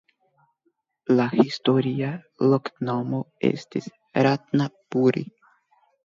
La historia loknomo estis "Ratnapuri".